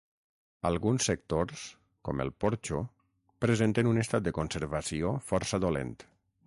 Alguns sectors, com el porxo, presenten un estat de conservació força dolent.